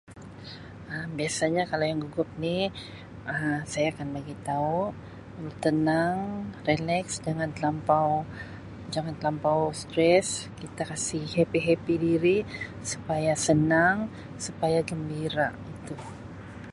"Um Biasanya kalau yang gugup ni Um saya akan bagitau bertenang, releks jangan telampau jangan telampau stress kita kasi ""happy-happy"" diri supaya senang supaya gembira itu."